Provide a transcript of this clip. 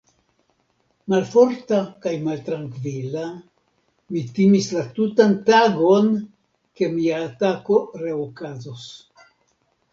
Malforta kaj maltrankvila, mi timis la tutan tagon, ke mia atako reokazos.